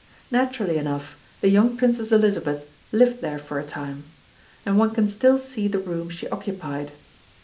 Naturally enough, the young Princess Elizabeth lived there for a time; and one can still see the room she occupied.